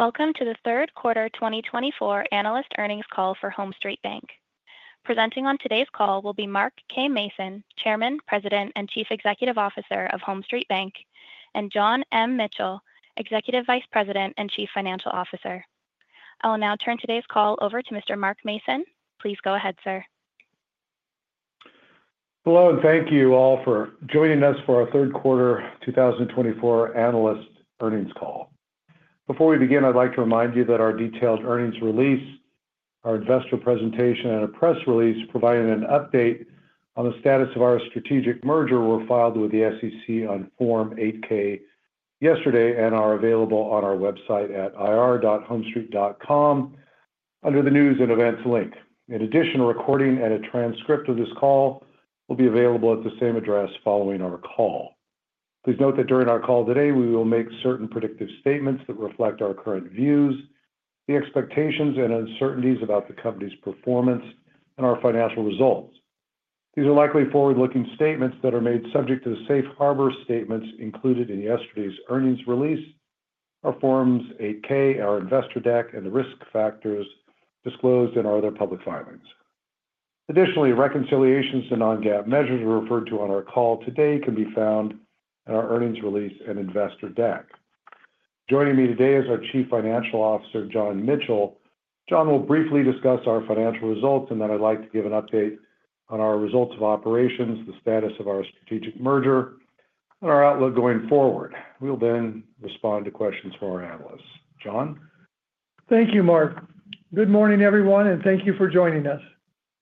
Welcome to the third quarter 2024 analyst earnings call for HomeStreet Bank. Presenting on today's call will be Mark K. Mason, Chairman, President, and Chief Executive Officer of HomeStreet Bank, and John M. Michel, Executive Vice President and Chief Financial Officer. I'll now turn today's call over to Mr. Mark Mason. Please go ahead, sir. Hello, and thank you all for joining us for our third quarter 2024 analyst earnings call. Before we begin, I'd like to remind you that our detailed earnings release, our investor presentation, and a press release providing an update on the status of our strategic merger were filed with the SEC on Form 8-K yesterday and are available on our website at ir.homestreet.com under the news and events link. In addition, a recording and a transcript of this call will be available at the same address following our call. Please note that during our call today, we will make certain predictive statements that reflect our current views, the expectations, and uncertainties about the company's performance and our financial results. These are likely forward-looking statements that are made subject to the safe harbor statements included in yesterday's earnings release, our Forms 8-K, our investor deck, and the risk factors disclosed in our other public filings. Additionally, reconciliations and non-GAAP measures referred to on our call today can be found in our earnings release and investor deck. Joining me today is our Chief Financial Officer, John Michel. John will briefly discuss our financial results, and then I'd like to give an update on our results of operations, the status of our strategic merger, and our outlook going forward. We'll then respond to questions from our analysts. John? Thank you, Mark. Good morning, everyone, and thank you for joining us.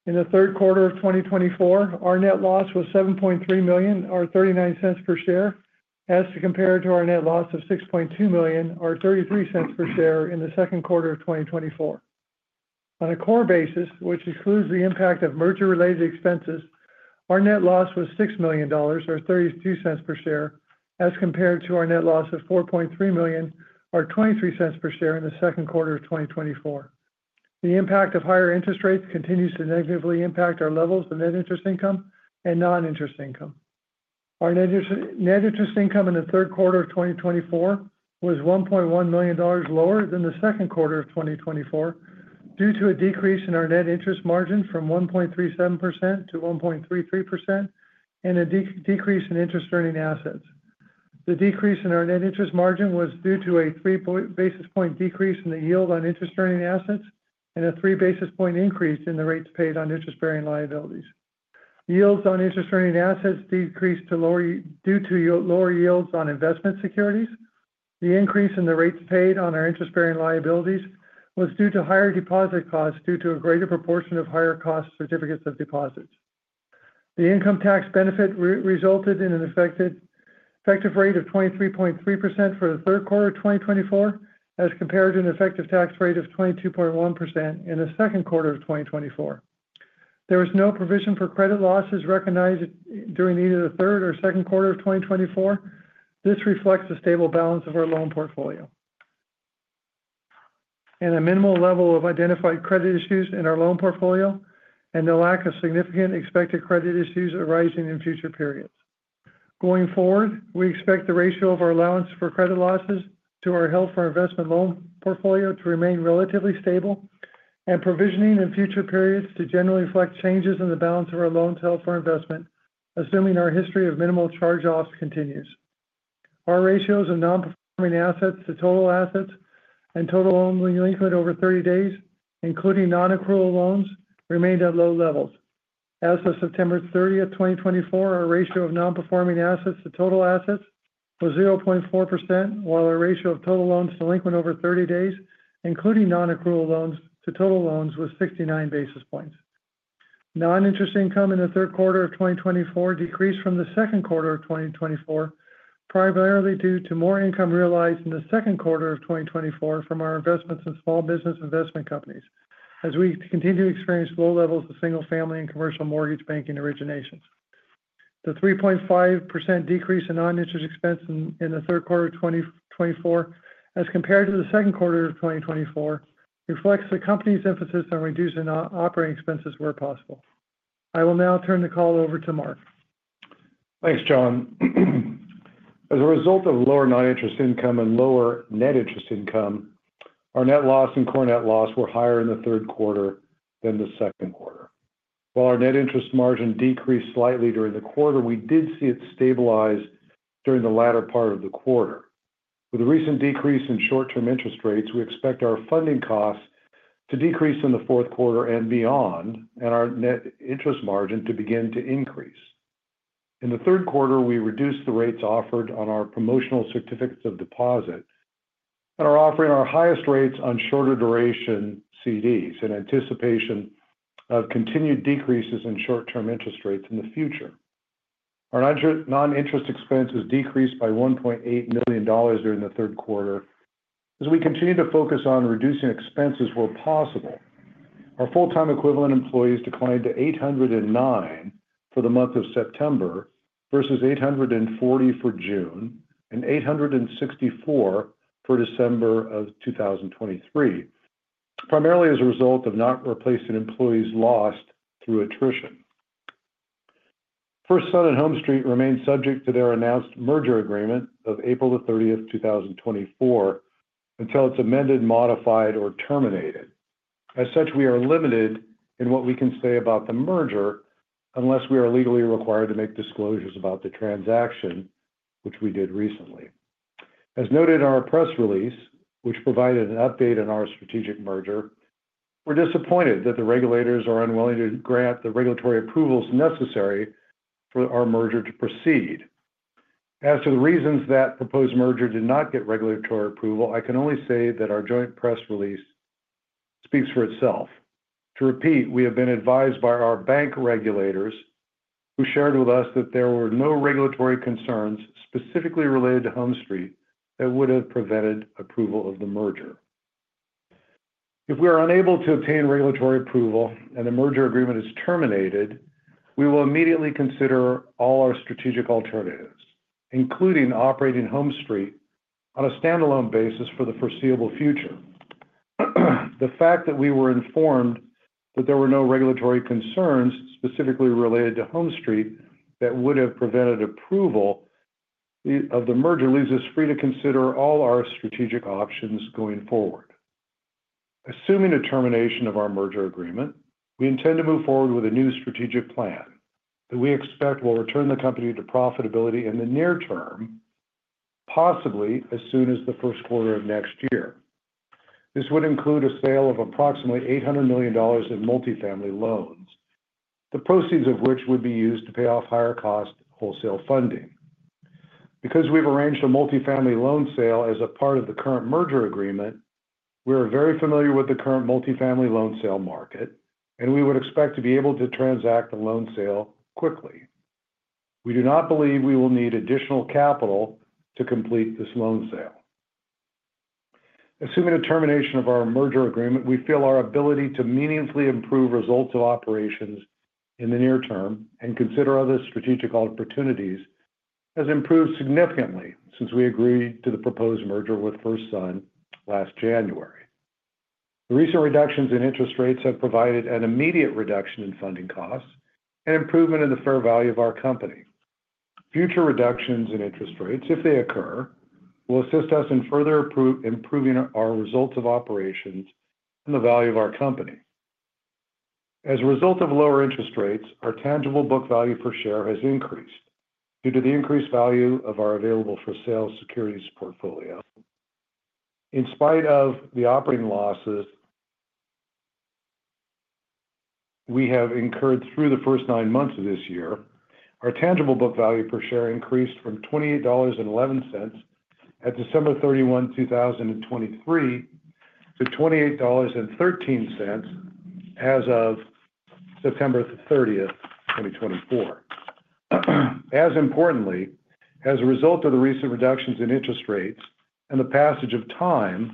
In the third quarter of 2024, our net loss was $7.3 million, or $0.39 per share, as compared to our net loss of $6.2 million, or $0.33 per share in the second quarter of 2024. On a core basis, which excludes the impact of merger-related expenses, our net loss was $6 million, or $0.32 per share, as compared to our net loss of $4.3 million, or $0.23 per share in the second quarter of 2024. The impact of higher interest rates continues to negatively impact our levels of net interest income and non-interest income. Our net interest income in the third quarter of 2024 was $1.1 million lower than the second quarter of 2024 due to a decrease in our net interest margin from 1.37%-1.33% and a decrease in interest-earning assets. The decrease in our net interest margin was due to a three basis point decrease in the yield on interest-earning assets and a three basis point increase in the rates paid on interest-bearing liabilities. Yields on interest-earning assets decreased due to lower yields on investment securities. The increase in the rates paid on our interest-bearing liabilities was due to higher deposit costs due to a greater proportion of higher-cost certificates of deposit. The income tax benefit resulted in an effective rate of 23.3% for the third quarter of 2024, as compared to an effective tax rate of 22.1% in the second quarter of 2024. There was no provision for credit losses recognized during either the third or second quarter of 2024. This reflects a stable balance of our loan portfolio and a minimal level of identified credit issues in our loan portfolio and the lack of significant expected credit issues arising in future periods. Going forward, we expect the ratio of our allowance for credit losses to our held-for-investment loan portfolio to remain relatively stable, and provisioning in future periods to generally reflect changes in the balance of our loans held for investment, assuming our history of minimal charge-offs continues. Our ratios of non-performing assets to total assets and total loans delinquent over 30 days, including non-accrual loans, remained at low levels. As of September 30, 2024, our ratio of non-performing assets to total assets was 0.4%, while our ratio of total loans delinquent over 30 days, including non-accrual loans to total loans, was 69 basis points. Non-interest income in the third quarter of 2024 decreased from the second quarter of 2024, primarily due to more income realized in the second quarter of 2024 from our investments in small business investment companies, as we continue to experience low levels of single-family and commercial mortgage banking originations. The 3.5% decrease in non-interest expense in the third quarter of 2024, as compared to the second quarter of 2024, reflects the company's emphasis on reducing operating expenses where possible. I will now turn the call over to Mark. Thanks, John. As a result of lower non-interest income and lower net interest income, our net loss and core net loss were higher in the third quarter than the second quarter. While our net interest margin decreased slightly during the quarter, we did see it stabilize during the latter part of the quarter. With a recent decrease in short-term interest rates, we expect our funding costs to decrease in the fourth quarter and beyond, and our net interest margin to begin to increase. In the third quarter, we reduced the rates offered on our promotional certificates of deposit and are offering our highest rates on shorter-duration CDs in anticipation of continued decreases in short-term interest rates in the future. Our non-interest expenses decreased by $1.8 million during the third quarter as we continue to focus on reducing expenses where possible. Our full-time equivalent employees declined to 809 for the month of September versus 840 for June and 864 for December of 2023, primarily as a result of not replacing employees lost through attrition. FirstSun and HomeStreet remained subject to their announced merger agreement of April 30, 2024, until it's amended, modified, or terminated. As such, we are limited in what we can say about the merger unless we are legally required to make disclosures about the transaction, which we did recently. As noted in our press release, which provided an update on our strategic merger, we're disappointed that the regulators are unwilling to grant the regulatory approvals necessary for our merger to proceed. As to the reasons that proposed merger did not get regulatory approval, I can only say that our joint press release speaks for itself. To repeat, we have been advised by our bank regulators, who shared with us that there were no regulatory concerns specifically related to HomeStreet that would have prevented approval of the merger. If we are unable to obtain regulatory approval and the merger agreement is terminated, we will immediately consider all our strategic alternatives, including operating HomeStreet on a standalone basis for the foreseeable future. The fact that we were informed that there were no regulatory concerns specifically related to HomeStreet that would have prevented approval of the merger leaves us free to consider all our strategic options going forward. Assuming a termination of our merger agreement, we intend to move forward with a new strategic plan that we expect will return the company to profitability in the near term, possibly as soon as the first quarter of next year. This would include a sale of approximately $800 million in multifamily loans, the proceeds of which would be used to pay off higher-cost wholesale funding. Because we've arranged a multifamily loan sale as a part of the current merger agreement, we are very familiar with the current multifamily loan sale market, and we would expect to be able to transact the loan sale quickly. We do not believe we will need additional capital to complete this loan sale. Assuming a termination of our merger agreement, we feel our ability to meaningfully improve results of operations in the near term and consider other strategic opportunities has improved significantly since we agreed to the proposed merger with FirstSun last January. The recent reductions in interest rates have provided an immediate reduction in funding costs and improvement in the fair value of our company. Future reductions in interest rates, if they occur, will assist us in further improving our results of operations and the value of our company. As a result of lower interest rates, our tangible book value per share has increased due to the increased value of our available for sale securities portfolio. In spite of the operating losses we have incurred through the first nine months of this year, our tangible book value per share increased from $28.11 at December 31, 2023, to $28.13 as of September 30, 2024. As importantly, as a result of the recent reductions in interest rates and the passage of time,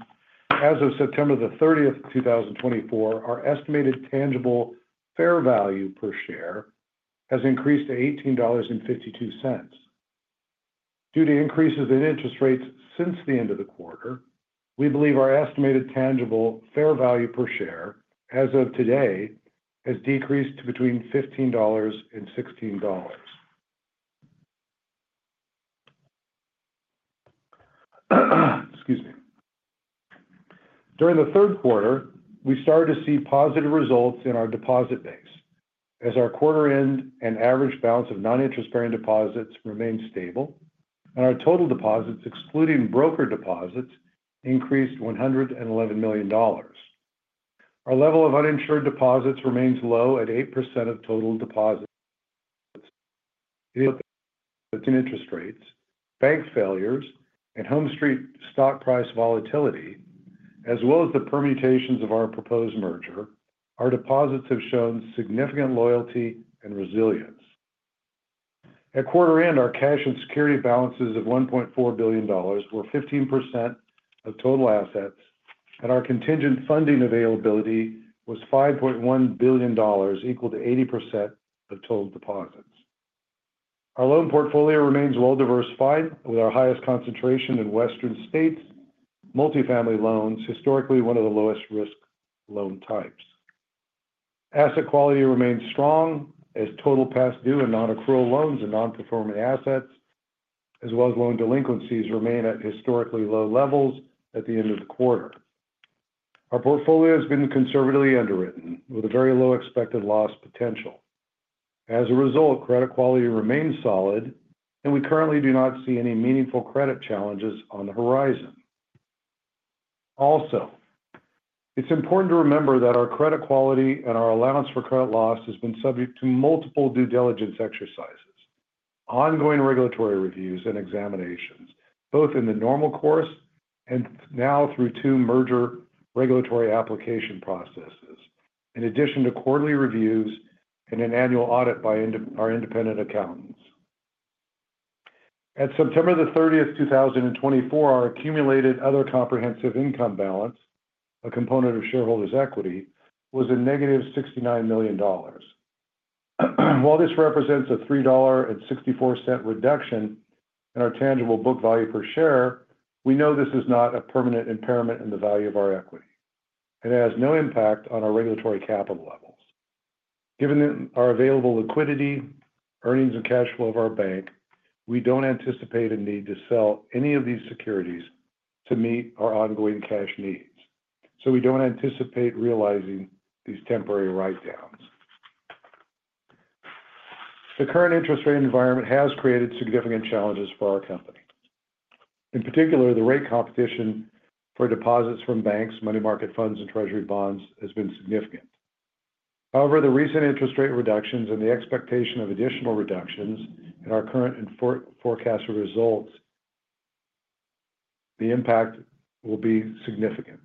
as of September 30, 2024, our estimated tangible fair value per share has increased to $18.52. Due to increases in interest rates since the end of the quarter, we believe our estimated tangible fair value per share as of today has decreased to between $15 and $16. Excuse me. During the third quarter, we started to see positive results in our deposit base as our quarter-end and average balance of non-interest-bearing deposits remained stable, and our total deposits, excluding brokered deposits, increased $111 million. Our level of uninsured deposits remains low at 8% of total deposits. In interest rates, bank failures, and HomeStreet stock price volatility, as well as the permutations of our proposed merger, our deposits have shown significant loyalty and resilience. At quarter-end, our cash and securities balances of $1.4 billion were 15% of total assets, and our contingent funding availability was $5.1 billion, equal to 80% of total deposits. Our loan portfolio remains well-diversified, with our highest concentration in Western states, multifamily loans, historically one of the lowest risk loan types. Asset quality remains strong as total past due and non-accrual loans and non-performing assets, as well as loan delinquencies, remain at historically low levels at the end of the quarter. Our portfolio has been conservatively underwritten with a very low expected loss potential. As a result, credit quality remains solid, and we currently do not see any meaningful credit challenges on the horizon. Also, it's important to remember that our credit quality and our allowance for credit loss has been subject to multiple due diligence exercises, ongoing regulatory reviews and examinations, both in the normal course and now through two merger regulatory application processes, in addition to quarterly reviews and an annual audit by our independent accountants. At September 30, 2024, our accumulated other comprehensive income balance, a component of shareholders' equity, was a negative $69 million. While this represents a $3.64 reduction in our tangible book value per share, we know this is not a permanent impairment in the value of our equity and has no impact on our regulatory capital levels. Given our available liquidity, earnings, and cash flow of our bank, we don't anticipate a need to sell any of these securities to meet our ongoing cash needs, so we don't anticipate realizing these temporary write-downs. The current interest rate environment has created significant challenges for our company. In particular, the rate competition for deposits from banks, money market funds, and Treasury bonds has been significant. However, the recent interest rate reductions and the expectation of additional reductions in our current and forecasted results, the impact will be significant.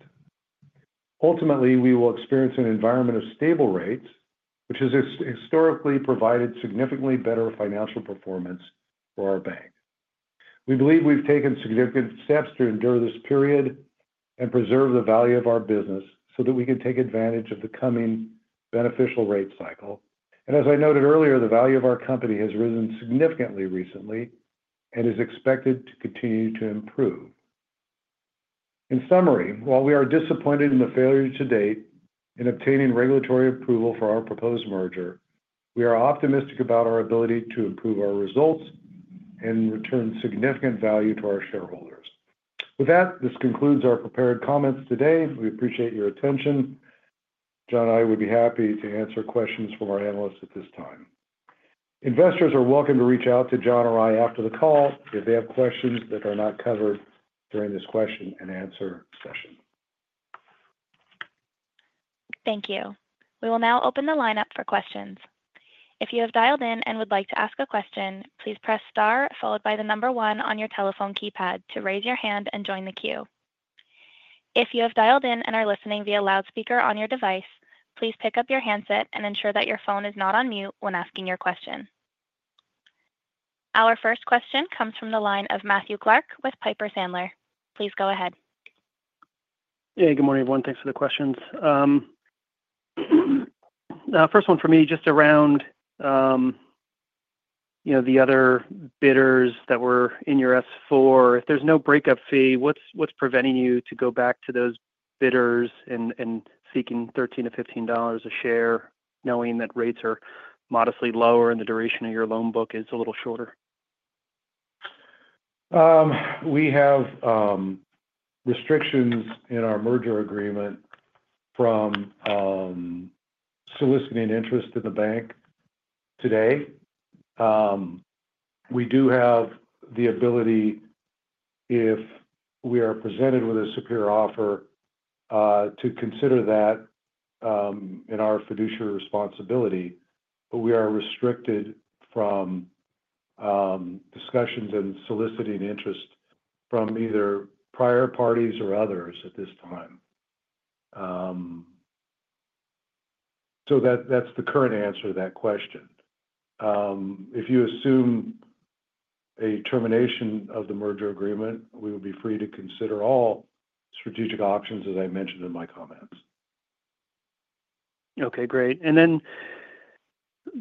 Ultimately, we will experience an environment of stable rates, which has historically provided significantly better financial performance for our bank. We believe we've taken significant steps to endure this period and preserve the value of our business so that we can take advantage of the coming beneficial rate cycle. And as I noted earlier, the value of our company has risen significantly recently and is expected to continue to improve. In summary, while we are disappointed in the failure to date in obtaining regulatory approval for our proposed merger, we are optimistic about our ability to improve our results and return significant value to our shareholders. With that, this concludes our prepared comments today. We appreciate your attention. John and I would be happy to answer questions from our analysts at this time. Investors are welcome to reach out to John or I after the call if they have questions that are not covered during this question and answer session. Thank you. We will now open the lineup for questions. If you have dialed in and would like to ask a question, please press star followed by the number one on your telephone keypad to raise your hand and join the queue. If you have dialed in and are listening via loudspeaker on your device, please pick up your handset and ensure that your phone is not on mute when asking your question. Our first question comes from the line of Matthew Clark with Piper Sandler. Please go ahead. Hey, good morning, everyone. Thanks for the questions. First one for me, just around the other bidders that were in your S4. If there's no breakup fee, what's preventing you to go back to those bidders and seeking $13-$15 a share, knowing that rates are modestly lower and the duration of your loan book is a little shorter? We have restrictions in our merger agreement from soliciting interest in the bank today. We do have the ability, if we are presented with a superior offer, to consider that in our fiduciary responsibility, but we are restricted from discussions and soliciting interest from either prior parties or others at this time. So that's the current answer to that question. If you assume a termination of the merger agreement, we would be free to consider all strategic options, as I mentioned in my comments. Okay, great. And then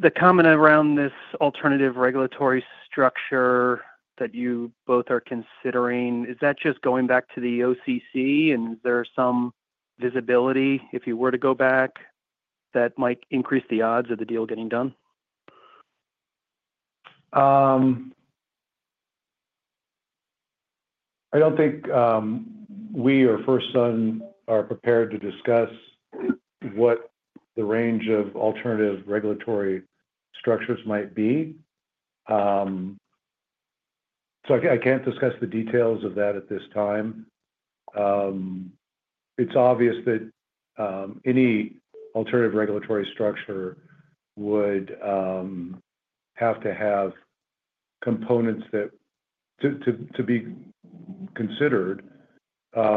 the comment around this alternative regulatory structure that you both are considering, is that just going back to the OCC? And is there some visibility, if you were to go back, that might increase the odds of the deal getting done? I don't think we or FirstSun are prepared to discuss what the range of alternative regulatory structures might be. So I can't discuss the details of that at this time. It's obvious that any alternative regulatory structure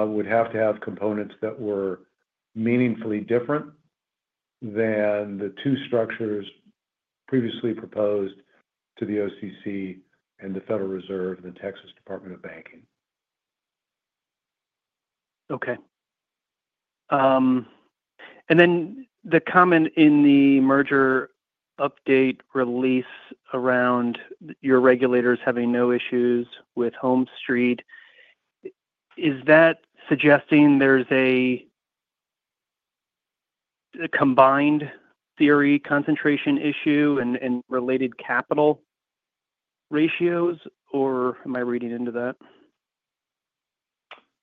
would have to have components that, to be considered, were meaningfully different than the two structures previously proposed to the OCC and the Federal Reserve and the Texas Department of Banking. Okay. And then the comment in the merger update release around your regulators having no issues with HomeStreet, is that suggesting there's a combined entity concentration issue and related capital ratios, or am I reading into that?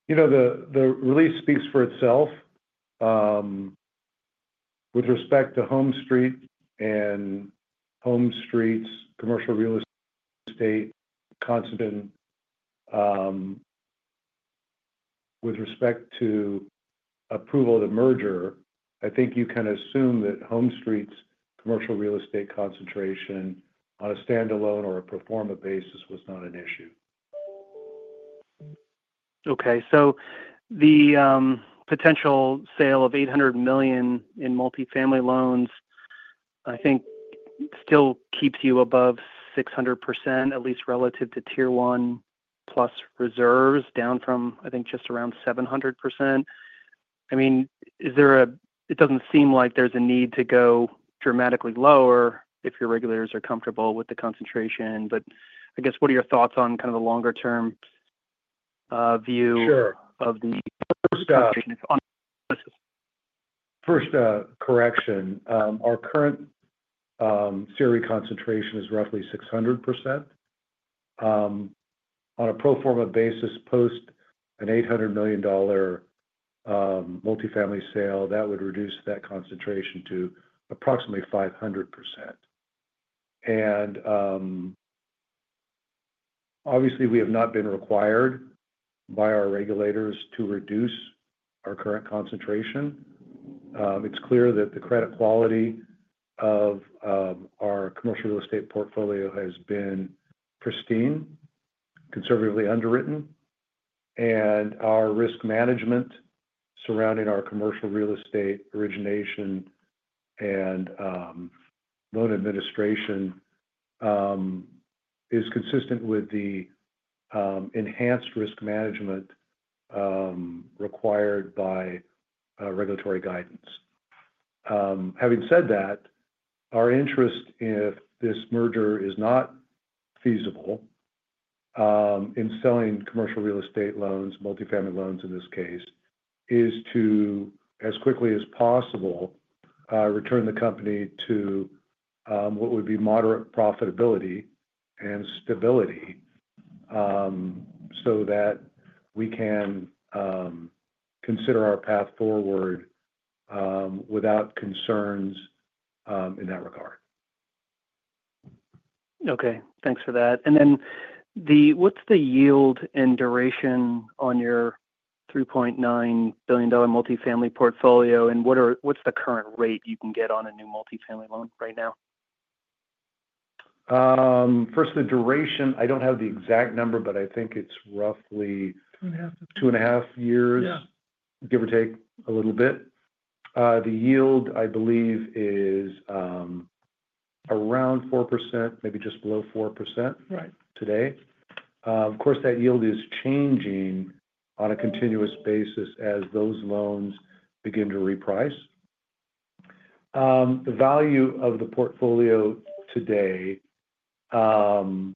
You know, the release speaks for itself. With respect to HomeStreet and HomeStreet's commercial real estate concentration, with respect to approval of the merger, I think you can assume that HomeStreet's commercial real estate concentration on a standalone or a pro forma basis was not an issue. Okay. So the potential sale of $800 million in multifamily loans, I think, still keeps you above 600%, at least relative to Tier 1+ reserves, down from, I think, just around 700%. I mean, it doesn't seem like there's a need to go dramatically lower if your regulators are comfortable with the concentration. But I guess, what are your thoughts on kind of the longer-term view of the concentration? First correction. Our current CRE concentration is roughly 600%. On a pro forma basis, post an $800 million multifamily sale, that would reduce that concentration to approximately 500%. And obviously, we have not been required by our regulators to reduce our current concentration. It's clear that the credit quality of our commercial real estate portfolio has been pristine, conservatively underwritten, and our risk management surrounding our commercial real estate origination and loan administration is consistent with the enhanced risk management required by regulatory guidance. Having said that, our interest, if this merger is not feasible, in selling commercial real estate loans, multifamily loans in this case, is to, as quickly as possible, return the company to what would be moderate profitability and stability so that we can consider our path forward without concerns in that regard. Okay. Thanks for that. And then what's the yield and duration on your $3.9 billion multifamily portfolio, and what's the current rate you can get on a new multifamily loan right now? First, the duration, I don't have the exact number, but I think it's roughly two and a half years, give or take a little bit. The yield, I believe, is around 4%, maybe just below 4% today. Of course, that yield is changing on a continuous basis as those loans begin to reprice. The value of the portfolio today, on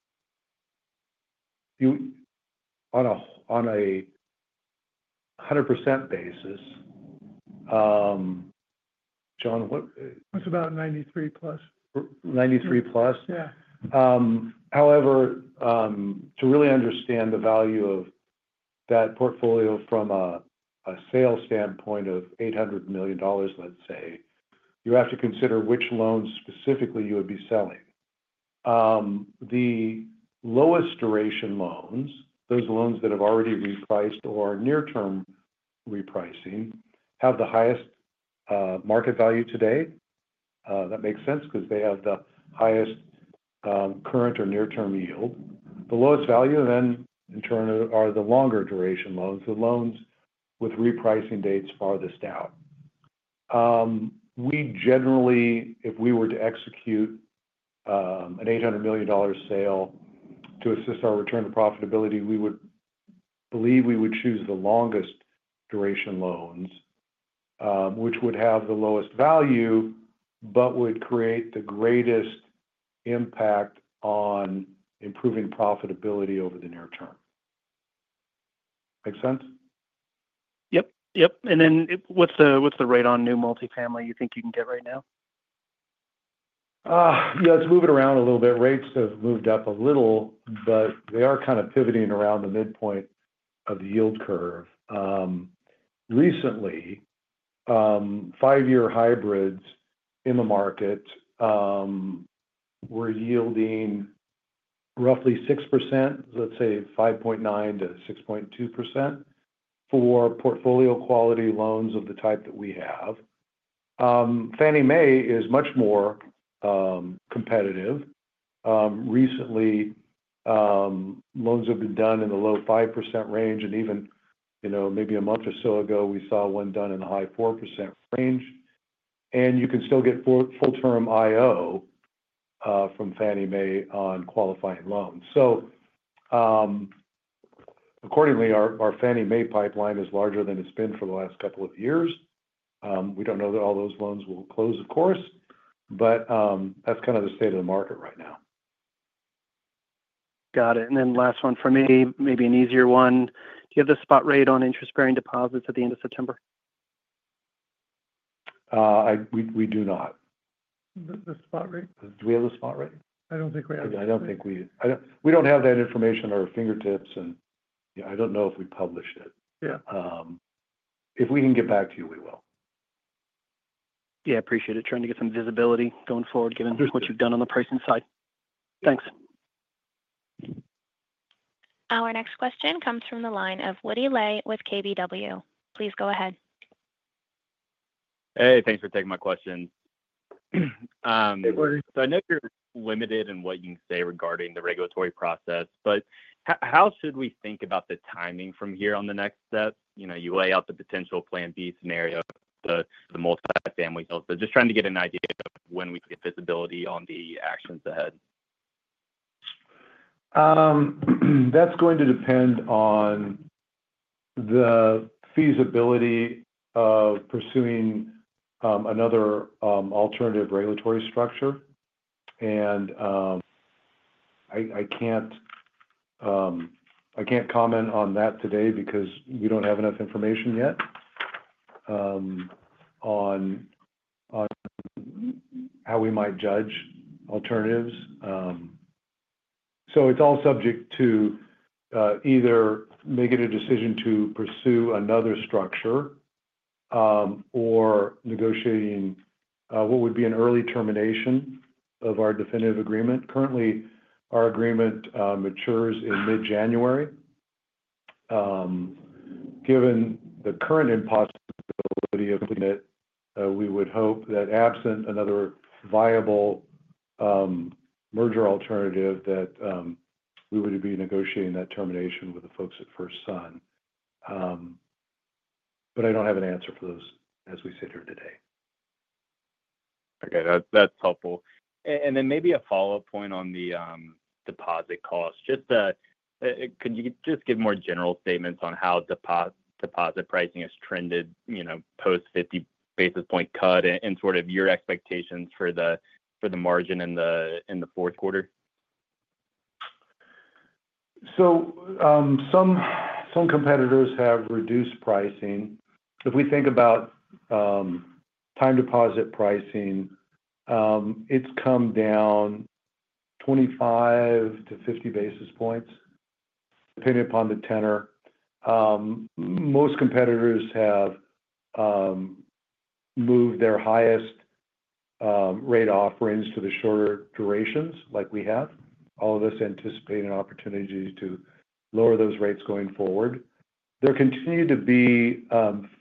a 100% basis, John, what? It's about 93%+. 93%+? Yeah. However, to really understand the value of that portfolio from a sales standpoint of $800 million, let's say, you have to consider which loans specifically you would be selling. The lowest duration loans, those loans that have already repriced or are near-term repricing, have the highest market value today. That makes sense because they have the highest current or near-term yield. The lowest value then, in turn, are the longer duration loans, the loans with repricing dates farthest out. We generally, if we were to execute an $800 million sale to assist our return to profitability, we would believe we would choose the longest duration loans, which would have the lowest value but would create the greatest impact on improving profitability over the near term. Makes sense? Yep. Yep. And then what's the rate on new multifamily you think you can get right now? Yeah, it's moving around a little bit. Rates have moved up a little, but they are kind of pivoting around the midpoint of the yield curve. Recently, five-year hybrids in the market were yielding roughly 6%, let's say 5.9%-6.2% for portfolio quality loans of the type that we have. Fannie Mae is much more competitive. Recently, loans have been done in the low 5% range, and even maybe a month or so ago, we saw one done in the high 4% range, and you can still get full-term IO from Fannie Mae on qualifying loans, so accordingly, our Fannie Mae pipeline is larger than it's been for the last couple of years. We don't know that all those loans will close, of course, but that's kind of the state of the market right now. Got it. And then last one for me, maybe an easier one. Do you have the spot rate on interest-bearing deposits at the end of September? We do not. The spot rate? Do we have the spot rate? I don't think we have. I don't think we don't have that information on our fingertips, and I don't know if we published it. If we can get back to you, we will. Yeah. Appreciate it. Trying to get some visibility going forward, given what you've done on the pricing side. Thanks. Our next question comes from the line of Woody Lay with KBW. Please go ahead. Hey, thanks for taking my question. So I know you're limited in what you can say regarding the regulatory process, but how should we think about the timing from here on the next steps? You lay out the potential plan B scenario, the multifamily focus, but just trying to get an idea of when we could get visibility on the actions ahead. That's going to depend on the feasibility of pursuing another alternative regulatory structure. And I can't comment on that today because we don't have enough information yet on how we might judge alternatives. So it's all subject to either making a decision to pursue another structure or negotiating what would be an early termination of our definitive agreement. Currently, our agreement matures in mid-January. Given the current impossibility of it, we would hope that absent another viable merger alternative, that we would be negotiating that termination with the folks at FirstSun. But I don't have an answer for those as we sit here today. Okay. That's helpful. And then maybe a follow-up point on the deposit cost. Just could you just give more general statements on how deposit pricing has trended post 50 basis points cut and sort of your expectations for the margin in the fourth quarter? So some competitors have reduced pricing. If we think about time deposit pricing, it's come down 25 basis points-50 basis points depending upon the tenor. Most competitors have moved their highest rate offerings to the shorter durations like we have. All of us anticipate an opportunity to lower those rates going forward. There continue to be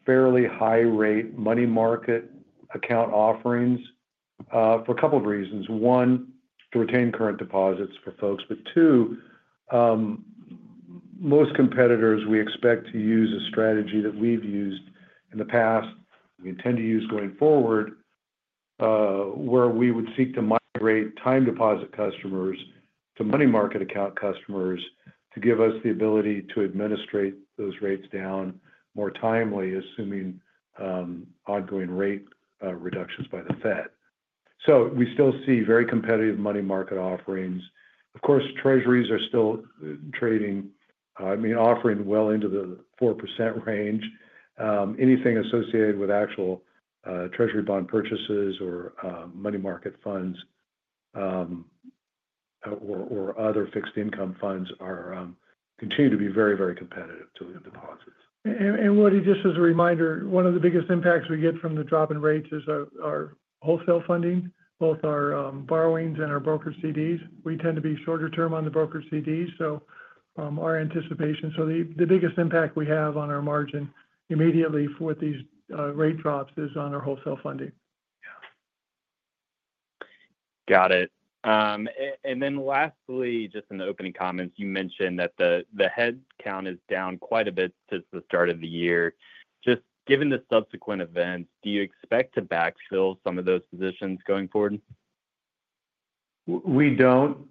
fairly high-rate money market account offerings for a couple of reasons. One, to retain current deposits for folks. But two, most competitors we expect to use a strategy that we've used in the past, we intend to use going forward, where we would seek to migrate time deposit customers to money market account customers to give us the ability to administrate those rates down more timely, assuming ongoing rate reductions by the Fed. So we still see very competitive money market offerings. Of course, treasuries are still trading, I mean, offering well into the 4% range. Anything associated with actual treasury bond purchases or money market funds or other fixed income funds continue to be very, very competitive to deposits. Woody, just as a reminder, one of the biggest impacts we get from the drop in rates is our wholesale funding, both our borrowings and our brokered CDs. We tend to be shorter term on the brokered CDs. So the biggest impact we have on our margin immediately with these rate drops is on our wholesale funding. Yeah. Got it. And then lastly, just in the opening comments, you mentioned that the headcount is down quite a bit since the start of the year. Just given the subsequent events, do you expect to backfill some of those positions going forward? We don't.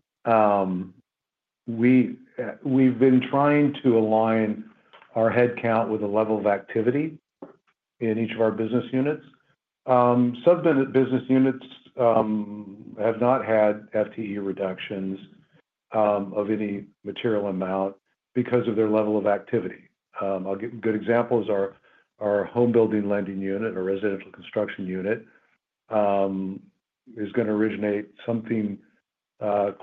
We've been trying to align our headcount with a level of activity in each of our business units. Such business units have not had FTE reductions of any material amount because of their level of activity. A good example is our home building lending unit, our residential construction unit, is going to originate something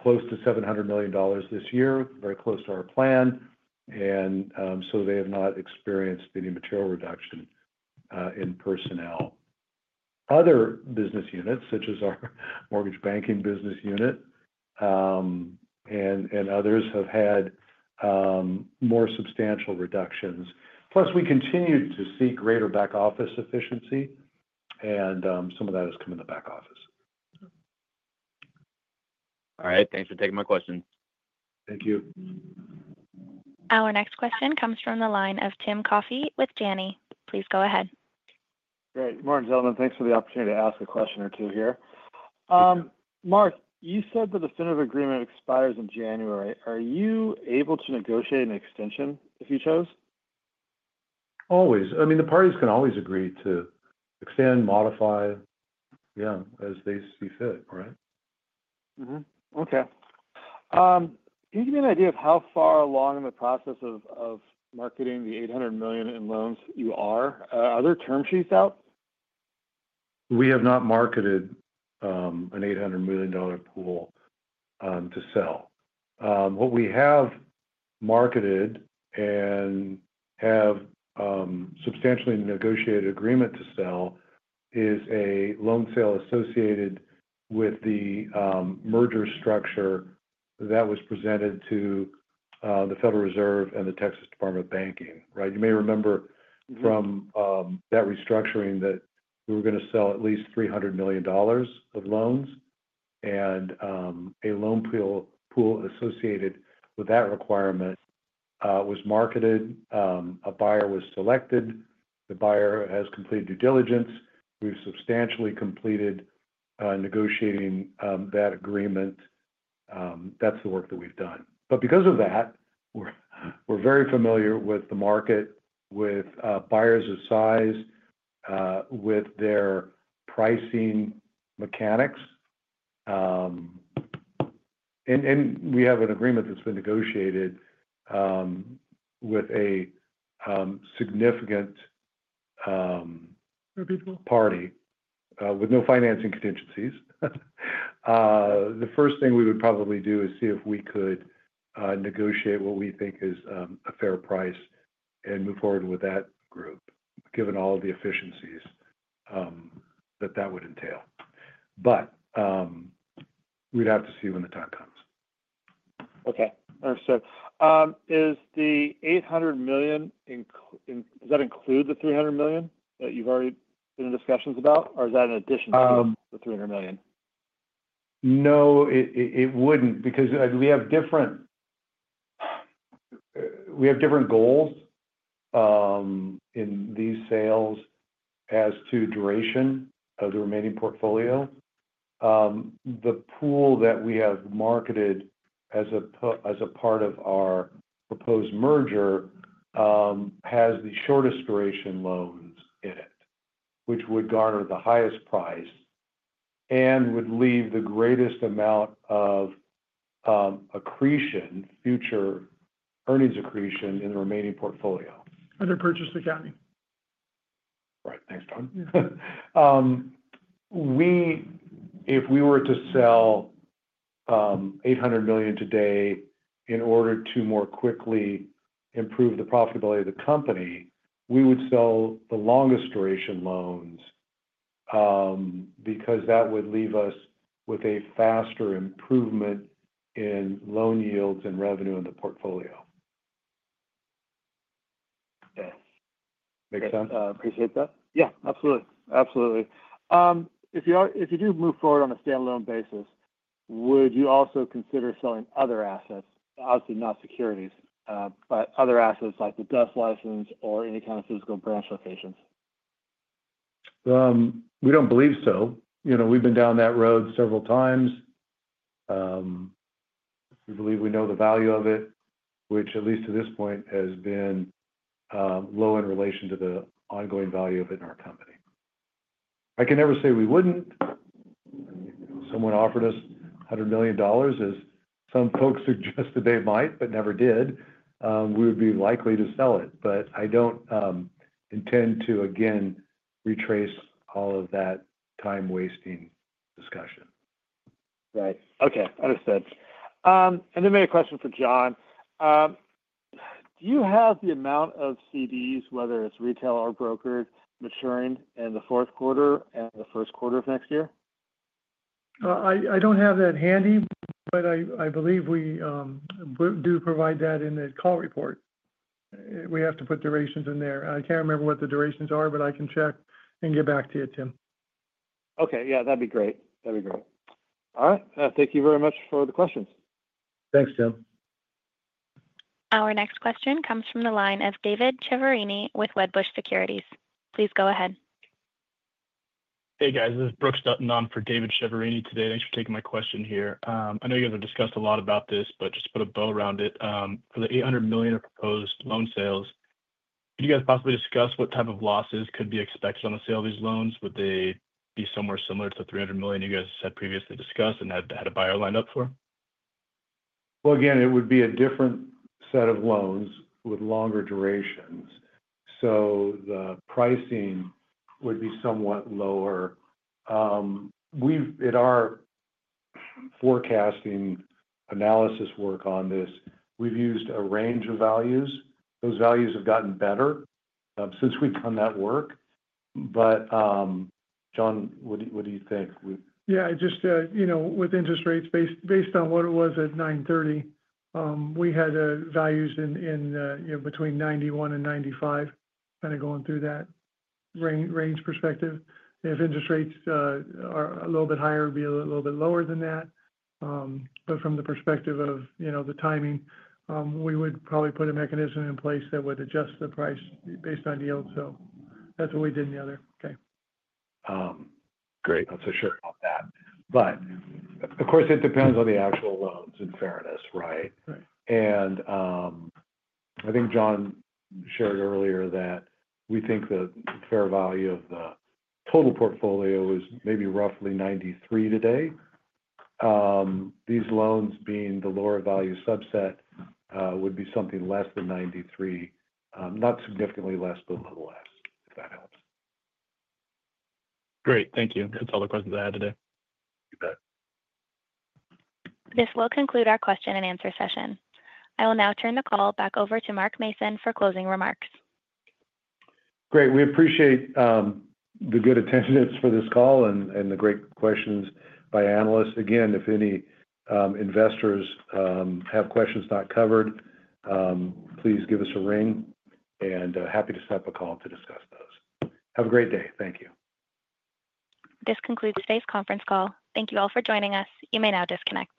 close to $700 million this year, very close to our plan. And so they have not experienced any material reduction in personnel. Other business units, such as our mortgage banking business unit and others, have had more substantial reductions. Plus, we continue to see greater back office efficiency, and some of that has come in the back office. All right. Thanks for taking my question. Thank you. Our next question comes from the line of Tim Coffey with Janney. Please go ahead. Great. Good morning, gentlemen. Thanks for the opportunity to ask a question or two here. Mark, you said the definitive agreement expires in January. Are you able to negotiate an extension if you choose? Always. I mean, the parties can always agree to extend, modify, yeah, as they see fit, right? Okay. Can you give me an idea of how far along in the process of marketing the $800 million in loans you are? Are there term sheets out? We have not marketed an $800 million pool to sell. What we have marketed and have substantially negotiated agreement to sell is a loan sale associated with the merger structure that was presented to the Federal Reserve and the Texas Department of Banking, right? You may remember from that restructuring that we were going to sell at least $300 million of loans, and a loan pool associated with that requirement was marketed. A buyer was selected. The buyer has completed due diligence. We've substantially completed negotiating that agreement. That's the work that we've done. But because of that, we're very familiar with the market, with buyers of size, with their pricing mechanics. And we have an agreement that's been negotiated with a significant. Repeatable. Party with no financing contingencies. The first thing we would probably do is see if we could negotiate what we think is a fair price and move forward with that group, given all the efficiencies that that would entail. But we'd have to see when the time comes. Okay. Understood. Is the $800 million, does that include the $300 million that you've already been in discussions about, or is that in addition to the $300 million? No, it wouldn't because we have different goals in these sales as to duration of the remaining portfolio. The pool that we have marketed as a part of our proposed merger has the shortest duration loans in it, which would garner the highest price and would leave the greatest amount of accretion, future earnings accretion in the remaining portfolio. Under purchase accounting. Right. Thanks, John. If we were to sell $800 million today in order to more quickly improve the profitability of the company, we would sell the longest duration loans because that would leave us with a faster improvement in loan yields and revenue in the portfolio. Okay. Make sense? Appreciate that. Yeah. Absolutely. Absolutely. If you do move forward on a standalone basis, would you also consider selling other assets? Obviously, not securities, but other assets like the DUS license or any kind of physical branch locations? We don't believe so. We've been down that road several times. We believe we know the value of it, which at least to this point has been low in relation to the ongoing value of it in our company. I can never say we wouldn't. Someone offered us $100 million, as some folks suggested they might, but never did. We would be likely to sell it, but I don't intend to, again, retrace all of that time-wasting discussion. Right. Okay. Understood. And then my question for John, do you have the amount of CDs, whether it's retail or brokered, maturing in the fourth quarter and the first quarter of next year? I don't have that handy, but I believe we do provide that in the call report. We have to put durations in there. I can't remember what the durations are, but I can check and get back to you, Tim. Okay. Yeah. That'd be great. That'd be great. All right. Thank you very much for the questions. Thanks, Tim. Our next question comes from the line of David Chiaverini with Wedbush Securities. Please go ahead. Hey, guys. This is Brooks Dutton on for David Chiaverini today. Thanks for taking my question here. I know you guys have discussed a lot about this, but just to put a bow around it, for the $800 million of proposed loan sales, could you guys possibly discuss what type of losses could be expected on the sale of these loans? Would they be somewhere similar to the $300 million you guys had previously discussed and had a buyer lined up for? Again, it would be a different set of loans with longer durations, so the pricing would be somewhat lower. In our forecasting analysis work on this, we've used a range of values. Those values have gotten better since we've done that work, but John, what do you think? Yeah. Just with interest rates, based on what it was at $930 million, we had values in between $91 million-$95 million, kind of going through that range perspective. If interest rates are a little bit higher, it'd be a little bit lower than that. But from the perspective of the timing, we would probably put a mechanism in place that would adjust the price based on yield. So that's what we did in the other case. Great. I'm so sure about that. But of course, it depends on the actual loans in fairness, right? And I think John shared earlier that we think the fair value of the total portfolio is maybe roughly 93 today. These loans, being the lower value subset, would be something less than 93, not significantly less, but a little less, if that helps. Great. Thank you. That's all the questions I had today. You bet. This will conclude our question and answer session. I will now turn the call back over to Mark Mason for closing remarks. Great. We appreciate the good attention for this call and the great questions by analysts. Again, if any investors have questions not covered, please give us a ring, and happy to set up a call to discuss those. Have a great day. Thank you. This concludes today's conference call. Thank you all for joining us. You may now disconnect.